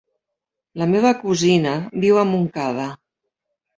La meva cosina viu a Montcada.